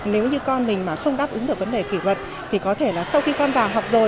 nếu như con mình mà không đáp ứng được vấn đề kỷ luật thì có thể là sau khi con vào học rồi